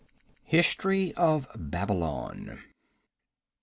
History of Babylon.